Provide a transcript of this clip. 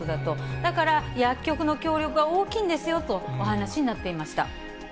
だから薬局の協力は大きいんですよと、お話しになっていました。